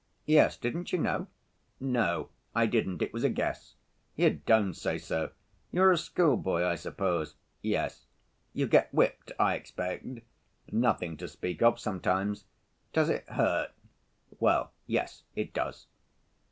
"Yes. Didn't you know?" "No, I didn't. It was a guess." "You don't say so! You are a schoolboy, I suppose?" "Yes." "You get whipped, I expect?" "Nothing to speak of—sometimes." "Does it hurt?" "Well, yes, it does."